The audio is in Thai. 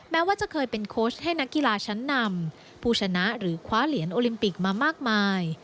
แม้ว่าจะเคยเป็นโค้ชให้นักกีฬาชั้นนำผู้ชนะหรือคว้าเหรียญโอลิมปิกมามากมาย